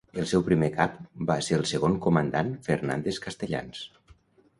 El seu primer Cap va ser el segon comandant Fernández Castellans.